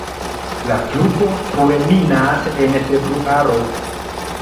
La pluvo kulminas en februaro.